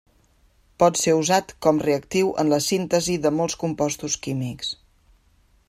Pot ser usat com reactiu en la síntesi de molts compostos químics.